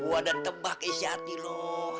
gue ada tebak isi hati lo